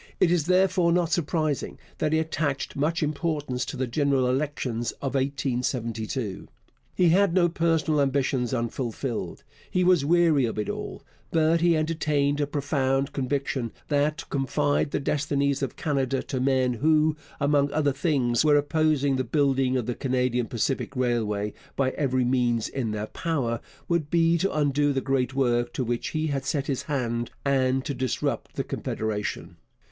It is, therefore, not surprising that he attached much importance to the general elections of 1872. He had no personal ambitions unfulfilled he was weary of it all but he entertained a profound conviction that to confide the destinies of Canada to men who, among other things, were opposing the building of the Canadian Pacific Railway by every means in their power, would be to undo the great work to which he had set his hand and to disrupt the Confederation.